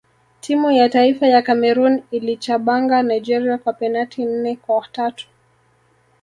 timu ya taifa ya cameroon iliichabanga nigeria kwa penati nne kwa tatu